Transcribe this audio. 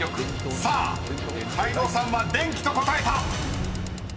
［さあ泰造さんは電気と答えた！］